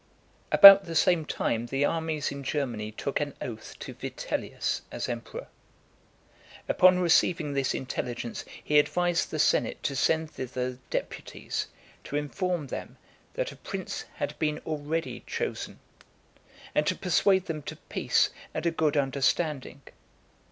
VIII. About the same time, the armies in Germany took an oath to Vitellius as emperor. Upon receiving this intelligence, he advised the senate to send thither deputies, to inform them, that a prince had been already chosen; and to persuade them to peace and a good understanding.